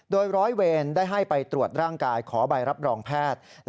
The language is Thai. โดยร้อยเวรได้ให้ไปตรวจร่างกายขอใบรับรองแพทย์